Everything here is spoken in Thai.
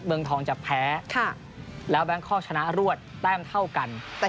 เมืองทองจะแพ้แล้วแบงคอกชนะรวดแต้มเท่ากัน